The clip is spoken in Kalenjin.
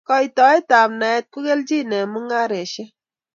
Koitaet ab naet kokelchin eng mung'areshek